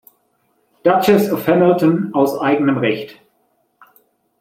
Duchess of Hamilton aus eigenem Recht.